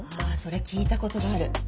ああそれ聞いたことがある。